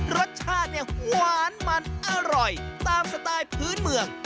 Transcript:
รสชาติเนี่ยหวานมันอร่อยตามสไตล์พื้นเมือง